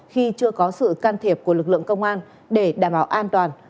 khi chưa có sự can thiệp của lực lượng công an để đảm bảo an toàn